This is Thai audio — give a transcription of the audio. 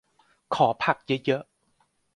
ขอผักเยอะเยอะ